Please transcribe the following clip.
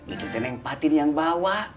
itu teneng patin yang bawa